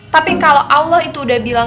tapi kalau allah itu udah bilang